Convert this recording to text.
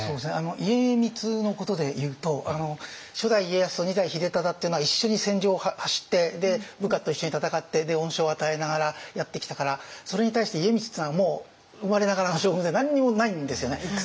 家光のことでいうと初代家康と二代秀忠っていうのは一緒に戦場を走って部下と一緒に戦って恩賞を与えながらやってきたからそれに対して家光っていうのはもう生まれながらの将軍で何にもないんですよね。